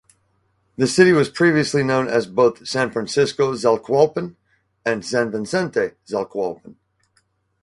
The city was previously known as both San Francisco Zacualpan and San Vicente Zacualpan.